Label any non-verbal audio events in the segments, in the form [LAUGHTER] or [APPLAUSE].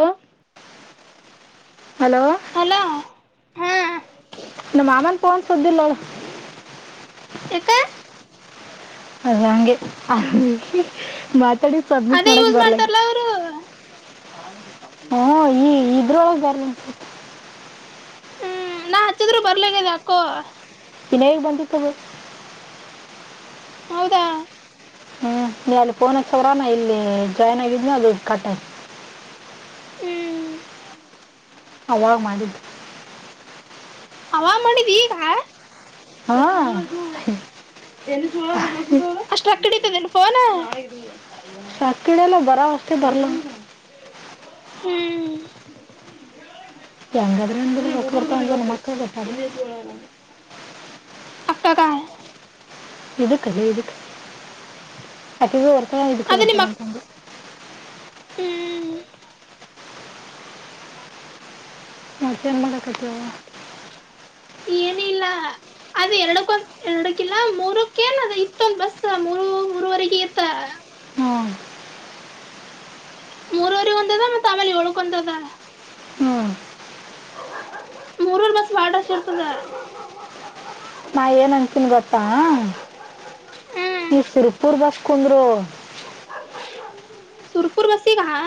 Hello hello hello ಹಾ ನಮ್ ಮಾಮನ್ ಪೋನ್ ಸುದ್ದಿಲ್ಲಳ? ಯಾಕ? ಅದ್ ಹಂಗೆ [UNINTELLIGIBLE] ಅದೇ ಮಾಡಕ್ ಯೂಸ್ ಬರ್ಲಾಗಿ ಮಾಡ್ತಾರಲ್ಲಾ ಅವರು? ಹ ಈ ಇದ್ರೊಳಗೆ ಬರ್ [UNINTELLIGIBLE] ಹಚ್ಚಿದ್ರು ಬರ್ಲಗದ್ ಅಕ್ಕೋ. ಇನೇಗ್ ಬಂದಿತ್ತದು? ಹೌದಾ? ಹ್ಮ ನೀ ಅಲ್ಲಿ ಪೋನ ಹಚ್ಚವ್ರ ನಾ ಇಲ್ಲಿ ಜಾಯಿನ್ ಆಗಿದ್ನ ಅದು ಕಟ್ ಆತ್ ಹ್ಮ ಪಲಾವ್ ಮಾಡಿದ್ದು. ಪಲಾವ್ ಮಾಡಿದ್ದಿ ಈಗ? ಹಾಂ [UNINTELLIGIBLE] [UNINTELLIGIBLE] ಫೋನ್? [UNINTELLIGIBLE] ಹ್ಮ ಹೆಂಗಾದ್ರ ಹಂಗ [UNINTELLIGIBLE] ನಿಮ್ ಮಕ್ಕಳ [UNINTELLIGIBLE] [UNINTELLIGIBLE] ಇದುಕ್ಕದೆ ಇದುಕ್ಕೆ ಅಕ್ಕಿದು ಬರ್ತಳ ಇದುಕ್ಕೆ ಬರ್ತಾಳಂತಂದು ಹುಂ ಮತ್ತೇನ್ ಮಾಡಕತಿಯವ್ವಾ ಏನ ಇಲ್ಲಾ ಅದ್ ಎರಡಕ್ಕೊಂದ ಎರಡಕ್ಕಿಲ್ಲಾ ಮೂರಕ್ಕೇಏನ್ ಅದ ಇತ್ತೊಂದ್ ಬಸ್ ಮೂರು ಮೂರವರೆಗ ಇತ್ತ ಅ ಹ್ ಮೂರವರೆಗ ಒಂದ ಅದ ಮತ್ತ ಆಮೇಲೆ ಏಳಕ ಒಂದ ಅದ ಹುಂ ಮೂರೂರ್ ಬಸ ಬಾಡ ರಷ್ ಇರ್ತದ ನಾ ಏನ್ ಅನ್ತೀನಿ ಗೊತ್ತಾ ಈ ಸುರಪುರ್ ಬಸ್ ಕುಂದ್ರು. ಸುರಪುರ ಬಸ್ಸಿಗ ಹಾ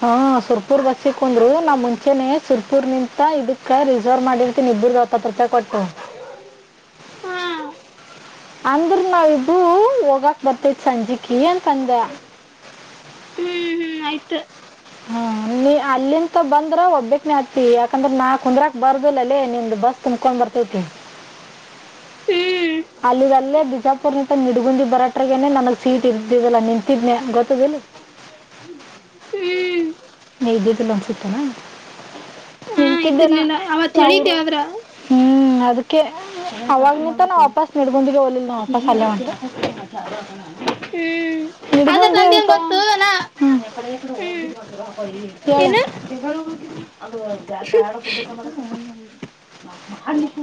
ಹಾ ಸುರಪೂರ್ ಬಸ್ಸ ಕುಂದ್ರು ನಾನ ಮುಂಚೆನೆ ಸುರ್ಪುರ್ ನಿಂತ ಇದಕ್ಕ ರಿಸರ್ವ್ ಮಾಡಿರ್ತನ ಇಬ್ಬರದು ಹತ್ತ ರೂಪಾಯಿ ಕೊಟ್ಟು ಹಾ ಅಂದ್ರು ನಾವ ಇಬ್ಬರು ಹೋಗಾಕ್ ಬರ್ತೇತ್ ಸಂಜಿಕಿ ಅಂತಂದ್ಯಾ ಹುಂ ಹುಂ ಆಯ್ತು ಹ್ ನೀ ಅಲ್ಲಿಂತ ಬಂದ್ರ ಒಬ್ಬಿಕ್ನೆ ಆಗತಿ ಯಾಕಂದ್ರ ನಾ ಕುಂದ್ರ ಬರ್ದಲ್ಲಲ್ಲೇ ನಿಮ್ಮ್ದು ಬಸ್ ತುಂಬ್ಕೊಂಡು ಬರ್ತೈತಿ ಹುಂ ಅಲ್ಲಿ ಅಲ್ಲೇ ಬಿಜಾಪುರ ನಿಂದರತ ನಿಡಗುಂದಿ ಬರಟ್ರಗೇನೆ ನನಗ್ ಸೀಟ್ ಇರ್ಧಲಿಲ್ಲಾ ನಿಂತಿದನಿ ಗೊತ್ತದಿಲ್ಲ ಹುಂ ನೀ ಇದ್ದಿದ್ದಿಲ್ ಅನ್ಸುತ್ತ್ ಹಾ ನಿಂತಿದ್ದೇನಾ ಇದಿರ್ಲಿಲ್ಲ ಅವತ್ ನಾವು ರು ಹೇಳಿದ್ದೆ ಆದ್ರ ಹುಂ ಅದಕ್ಕೆ ಅವಾಗ್ ನಿಂತ ನಾವು ವಾಪಾಸ್ ನಿಡಗುಂದಿಗೆ ಹೋಗಲಿಲ್ಲಾ ನಾ ವಾಪಾಸ್ ಅಲ್ಲೇ ಹುಂ ಅದ್ರ ನಿಡ್ಗುಂದಿ ನನಗೇನ ಅಂತ ಗೊತ್ತು ಹ್ಞೂ ಎಕಡೆ ಹುಂ ಹೇಳು ಎನ್ನ್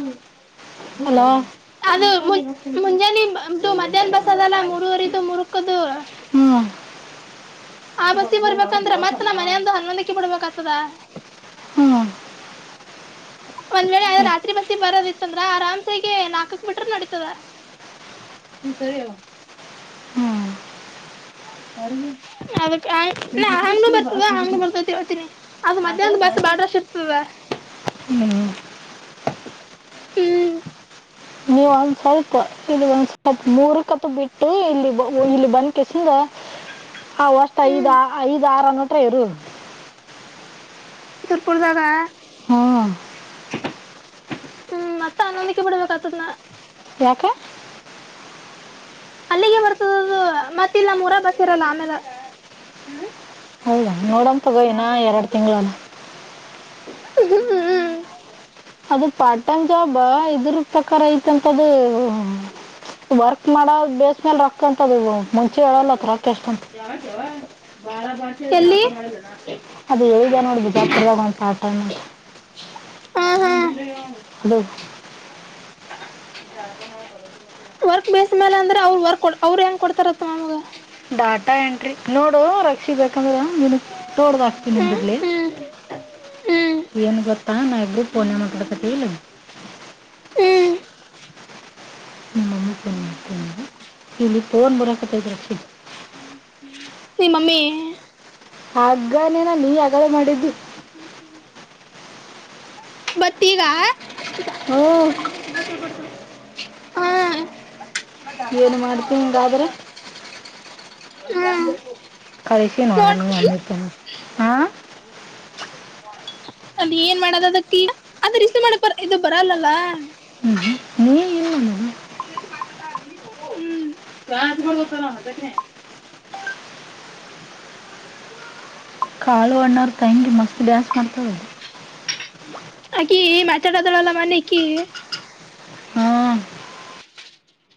[UNINTELLIGIBLE] ಹ ಹಲೋ ಅದು ಮು ಮುಂಜಾನೆದ್ದು ಮಧ್ಯಾಹ್ನ ಬಸ್ ಅದಲ್ಲಾ ಮುರುವಗರಿದು ಮುರುಕದು ಹುಂ ಆ ಬಸ್ ಗೇ ಬರ್ಬೇಕು ಕದ್ದರೆ ಮತ್ ನ ಮನೆಯಂದ ಹನ್ನೊಂದಕ್ಕೆ ಬಿಡ್ಬೇಕು ಆತದ ಹ್ಞೂ ಒಂದ್ ವೇಳೆ ಹ್ಞೂ ರಾತ್ರಿ ಬಸ್ಸಿಗೆ ಬರೋದಿತ್ತ ಅಂದ್ರ ಆರಾಮ್ ಸೆಗೆ ನಾಲ್ಕಕ್ ಬಿಟ್ರ ನಡಿತದ ನೀ ಸರಿಯವಾ ಹಂಗೂನು ಬರ್ತದ ಹಂಗುನು ಬರ್ತದ ಅಂತ ಹೇಳ್ತೀನಿ ಅದು ಮಧ್ಯಾಹ್ನದ ಬಸ್ ಬಾಳ ರಶ್ ಇರ್ತದ ಹುಂ ಹುಂ ನೀವು ಒಂದ್ ಸ್ವಲ್ಪಇಲ್ಲಿ ಒಂದ ಮೂರ್ ಕತ್ ಬಿಟ್ಟು ಇಲ್ಲಿ ಇಲ್ಲಿ ಬಂದ್ಕೇಸಿಂದ ಹ ವಷ್ಟ ಐದ್ ಹ್ಮ್ ಐದ್ ಆರ ಅನೋಟ್ರ ಇರು. ಸುರಪುರದಾಗ ಹಾ ಹುಂ ಮತ್ತ ಹನೋಂದಕೆ ಬಿಡ್ಬೇಕತದ್ ನಾ ಯಾಕ ಅಲ್ಲಿಗೆ ಬರ್ತದದು ಮತ್ತ ಇಲ್ಲಿ ನಮ್ಮ ಊರಾಗ ಬಸ್ ಇರಲ್ಲ ಆಮೇಲೆ ಹುಂ ಹೌದಾ ನೋಡಮ್ ತಗೋ ಇನ್ನ ಯಾವ್ದ ಎರಡು ತಿಂಗಳು ಹ್ಮ್ [UNINTELLIGIBLE] ಅದು ಪಾರ್ಟ್ ಟೈಮ್ ಜಾಬ ಇದ್ರ ಪ್ರಕಾರ ಐತಂತದು ವರ್ಕ್ ಮಾಡೋ ಬೇಸ್ ಮೇಲೆ ರೊಕ್ಕ ಅಂತದ ಮುಂಚೆ ಹೇಳಲ್ಲತ್ರ ರೊಕ್ಕ ಎಷ್ಟಂತ ಎಲ್ಲಿ? ಅದು ಹೇಳಿದೆ ನೋಡಿ ಬಿಜಾಪುರ್ದಾಗ ಒಂದು ಪಾರ್ಟ ಟೈಮ್ ಅಂತ. ಹ್ಮ ಹ್ಮ್. ಹಲೋ. [UNINTELLIGIBLE] ವರ್ಕ್ ಬೇಸ್ ಮೇಲೆ ಅಂದ್ರೆ ಅವರು ವರ್ಕ್ ಕೊ ಅವ್ರ ಹೆಂಗ್ ಕೊಡ್ತಾರತ್ತ ನಮ್ಗ ಡಾಟಾ ಎಂಟ್ರಿ ನೋಡು ರಕ್ಷಿ ಬೇಕಂದ್ರೆ ತೋಡ್ದ ಹಾಗ್ತೀನಿ ಹ್ಮ್ ನಿಂದರ್ಲೆ. ಹ್ಮ್ ಹ್ಮ್ ಏನ ಗೊತ್ತಾ ನಾವ್ ಇಬ್ಬರು ಪೋನ್ನ್ಯಾಗ ಮಾತಾಡಾಕತ್ತೇವಿ. ಹ್ಮ್ ನಿಮ್ಮ ಮಮ್ಮಿ ಪೋನ್ ಮಾಡ್ತೀನಿ ಇಲ್ಲಿ ಫೋನ್ ಬರಾಕತೈದ್ದ ರಕ್ಷಿ. [UNINTELLIGIBLE] ನಿಮ್ಮ ಮಮ್ಮಿ ಆಗ್ಲೇನಿನ ನೀ ಆಗಲ್ಲೇ ಮಾಡಿದ್ದಿ. [UNINTELLIGIBLE] ಬಟ್ ಈಗ ಹ್ಞೂ ಹ್ಮ್. ಏನು ಮಾಡ್ತೀನಿ ಹಿಂಗಾದ್ರೆ ಹ್ಮ್. ಕಳಿಸಿ ನೋಡಣ ನೀವ್ ಅಂದಿದ್ದ ಅಮ್ಮಿ ಹಾ ಅಲ್ಲಿ ಏನ್ ಮಾಡಿದಲಾತಿ ಅದರ ಇಷ್ಟು ಮಾಡಕ್ ಬ ಇದು ಬರಲ್ಲಲ್ಲ. [INAUDIBLE] ಇಲ್ಲ ನಾನು ಹ್ಮ ರಾಜ್ಗಳು ತರಾ ಅದಕ್ಕೆ ಕಾಳು ಅಣ್ಣನ ತಂಗಿ ಮಸ್ತ್ ಡ್ಯಾನ್ಸ್ ಮಾಡ್ತಾಲೆ. ಆಕಿ ಮಾತಡದರಲ್ಲ ಇಕಿ ಹಾ